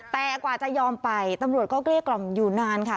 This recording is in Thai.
แต่กว่าจะยอมไปตำรวจก็เกลี้ยกล่อมอยู่นานค่ะ